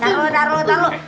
taruh taruh taruh